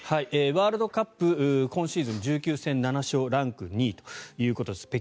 ワールドカップ今シーズン１９戦７勝ランク２位ということです。